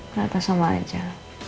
ternyata sama saja